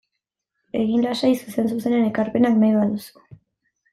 Egin lasai zuzen-zuzenean ekarpenak nahi baduzu.